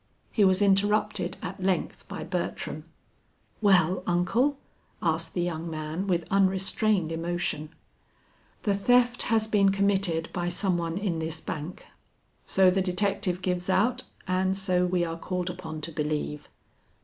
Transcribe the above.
He was interrupted at length by Bertram. "Well, uncle?" asked the young man with unrestrained emotion. "The theft has been committed by some one in this bank; so the detective gives out, and so we are called upon to believe.